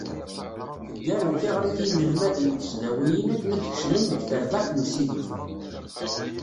Teggarem tiɣri i yinelmaden n tesdawiyin akken ad d-kecmen deg terbaɛt n usideg.